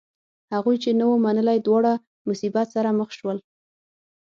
هغوی چې نه و منلی دواړه مصیبت سره مخ شول.